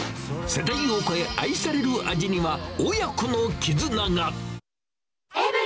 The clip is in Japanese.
世代を超え、愛される味には、親子の絆が。